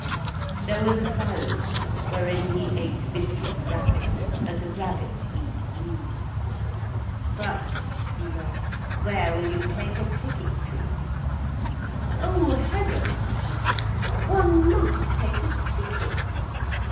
There was a silence, wherein he ate biscuits rapidly, as a rabbit eats leaves. "But," he laughed, "where will you take a ticket to?" "Oh heaven!" she cried. "One must take a ticket."